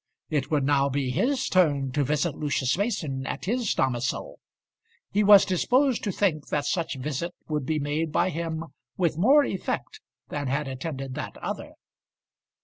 It would now be his turn to visit Lucius Mason at his domicile. He was disposed to think that such visit would be made by him with more effect than had attended that other.